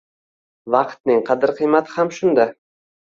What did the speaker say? Vaqtning qadr-qiymati ham shunda.